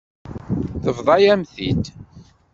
Tebḍa-yam-t-id.